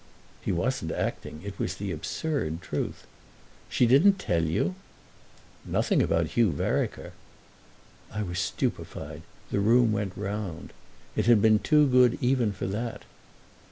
He wasn't acting—it was the absurd truth. "She didn't tell you—?" "Nothing about Hugh Vereker." I was stupefied; the room went round. It had been too good even for that!